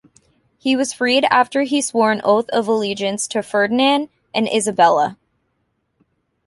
He was freed after he swore an oath of allegiance to Ferdinand and Isabella.